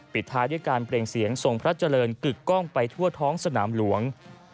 ท้ายด้วยการเปล่งเสียงทรงพระเจริญกึกกล้องไปทั่วท้องสนามหลวง